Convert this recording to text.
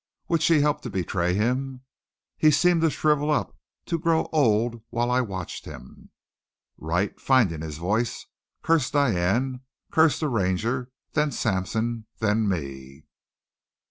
Would she help to betray him? He seemed to shrivel up, to grow old while I watched him. Wright, finding his voice, cursed Diane, cursed the Ranger, then Sampson, then me.